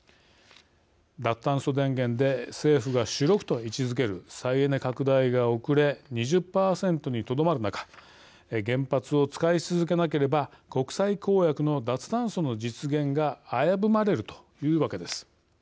脱炭素電源で政府が主力と位置づける再エネ拡大が遅れ２０％にとどまる中原発を使い続けなければ国際公約の脱炭素の実現が危ぶまれるというわけです。